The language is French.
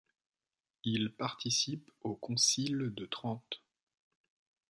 Il participe au concile de Trente.